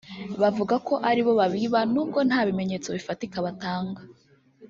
bavuga ko ari bo babiba n’ubwo nta bimenyetso bifatika batanga